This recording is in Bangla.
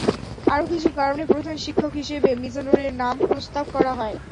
আরও কিছু কারণে প্রধান শিক্ষক হিসেবে মিজানুরের নাম প্রস্তাব করা হয়।